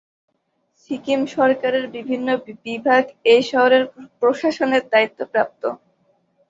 সিকিম সরকারের বিভিন্ন বিভাগ এই শহরের প্রশাসনের দায়িত্বপ্রাপ্ত।